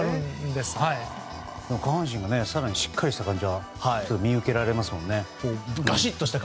下半身も更にしっかりした感じは見受けられますもんね。